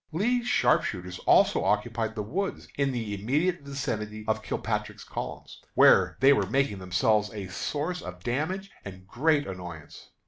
Lee's sharpshooters also occupied the woods in the immediate vicinity of Kilpatrick's columns, where they were making themselves a source of damage and great annoyance.